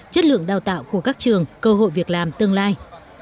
chất lượng đào tạo của các trường cơ hội việc làm tương lai